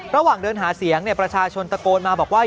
ระหว่างเดินหาเสียงประชาชนตะโกนมาบอกว่า